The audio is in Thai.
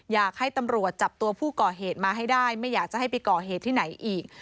อยากให้ตำรวจจับตัวผู้ก่อเหตุมาให้ได้ไม่อยากจะให้ไปก่อเหตุที่ไหนอีก